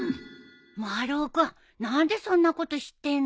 丸尾君何でそんなこと知ってんの？